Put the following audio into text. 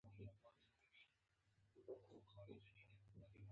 دا هغه فکري تحرک و چې ناخوالې یې بدلې کړې